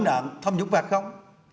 còn vấn đoạn tham nhũng và không